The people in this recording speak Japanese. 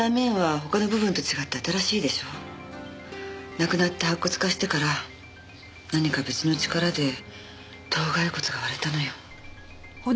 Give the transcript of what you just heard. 亡くなって白骨化してから何か別の力で頭蓋骨が割れたのよ。